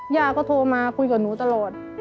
ย่าก็โทรมาคุยกับหนูตลอด